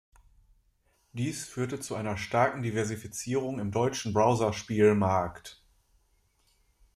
Dies führte zu einer starken Diversifizierung im deutschen Browserspiel-Markt.